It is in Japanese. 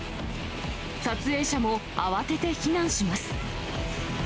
撮影者も慌てて避難します。